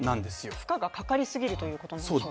負荷がかかりすぎるということですね